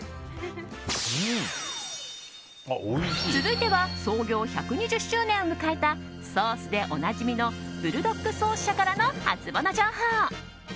続いては創業１２０周年を迎えたソースでおなじみのブルドックソース社からのハツモノ情報。